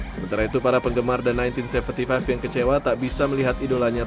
sementara itu para penggemar the seribu sembilan ratus tujuh puluh lima yang kecewa tak bisa melihat idolanya tersebut